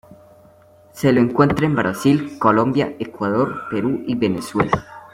Se lo encuentra en Brasil, Colombia, Ecuador, Perú, y Venezuela.